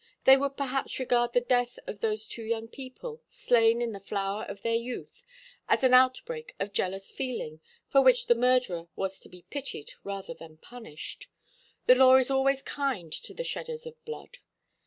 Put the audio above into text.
They would perhaps regard the death of those two young people slain in the flower of their youth as an outbreak of jealous feeling for which the murderer was to be pitied rather than punished. The law is always kind to the shedders of blood.